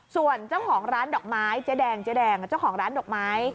ส่วนเจ้าของร้านดอกไม้เจ๊แดงเจ๊แดงเจ้าของร้านดอกไม้